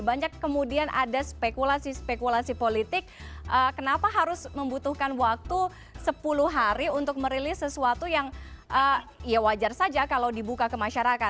banyak kemudian ada spekulasi spekulasi politik kenapa harus membutuhkan waktu sepuluh hari untuk merilis sesuatu yang ya wajar saja kalau dibuka ke masyarakat